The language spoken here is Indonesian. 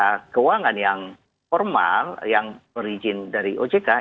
kalau di dalam jasa keuangan yang formal yang diizinkan dari wormsortic id ojk